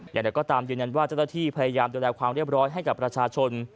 อย่างไรก็ตามยืนยันว่าเจ้าหน้าที่พยายามดูแลความเรียบร้อยให้กับประชาชน